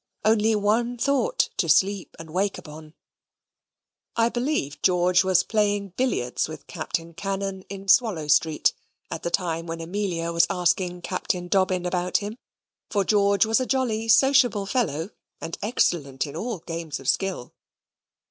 only one thought to sleep and wake upon. I believe George was playing billiards with Captain Cannon in Swallow Street at the time when Amelia was asking Captain Dobbin about him; for George was a jolly sociable fellow, and excellent in all games of skill.